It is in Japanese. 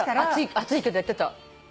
熱いけどやってた。